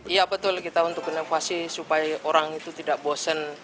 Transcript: iya betul kita untuk inovasi supaya orang itu tidak bosen